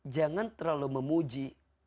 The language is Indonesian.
jangan terlalu memuji